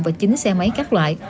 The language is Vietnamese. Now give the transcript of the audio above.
và chín xe máy các loại